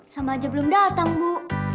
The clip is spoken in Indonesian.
sama aja belum datang bu